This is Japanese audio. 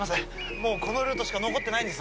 もうこのルートしか残ってないんです